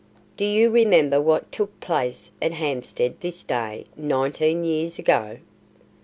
"Do you remember what took place at Hampstead this day nineteen years ago?"